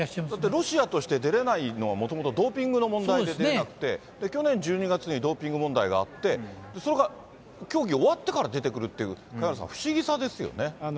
だってロシアとして出れないのは、もともとドーピングの問題で出れなくて、去年１２月にドーピング問題があって、それが競技終わってから出てくるっていう、萱野さん、不思議さですよね。